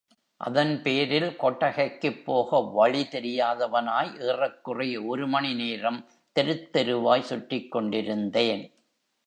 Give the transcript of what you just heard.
அதன் பேரில், கொட்டகைக்குப் போக வழி தெரியாதவனாய், ஏறக்குறைய ஒரு மணி நேரம் தெருத் தெருவாய் சுற்றிக்கொண்டிருந்தேன்!